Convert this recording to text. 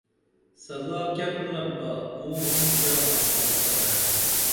سزا کیہ پرِنپ بہ موں ژا مکھامُکھہ پرے